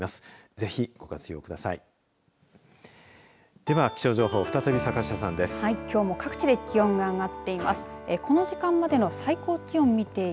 ぜひ、ご活用ください。